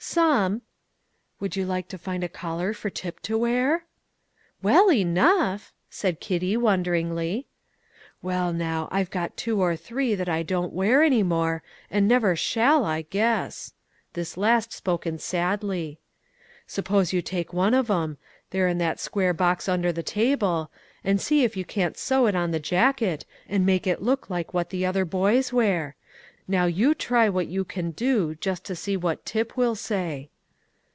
"Some." "Would you like to find a collar for Tip to wear?" "Well enough," said Kitty wonderingly. "Well, now, I've got two or three that I don't wear any more, and never shall, I guess" (this last spoken sadly); "s'pose you take one of 'em they're in that square box under the table and see if you can't sew it on the jacket, and make it look like what the other boys wear? Now, you try what you can do, just to see what Tip will say."